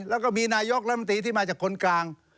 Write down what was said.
แล้วก็มีนายกรัฐมนตรีที่มาจากคนกลาง